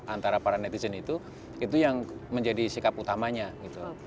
antara para netizen itu itu yang menjadi sikap utamanya gitu